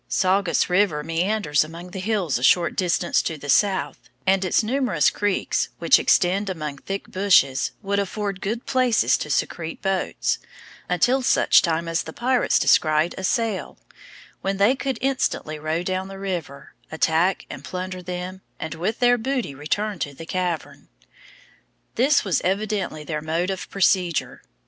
Saugus river meanders among the hills a short distance to the south, and its numerous creeks which extend among thick bushes, would afford good places to secrete boats, until such time as the pirates descried a sail, when they could instantly row down the river, attack and plunder them, and with their booty return to the cavern. This was evidently their mode of procedure.